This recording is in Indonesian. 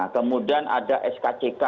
kemudian ada skck